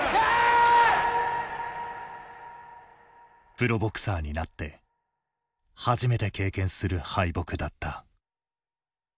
プロボクサーになって初めて経験する敗北だった。